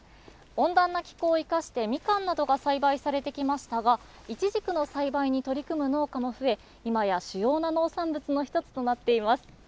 温暖な気候を生かして、ミカンなどが栽培されてきましたが、いちじくの栽培に取り組む農家も増え、今や主要な農産物の１つとなっています。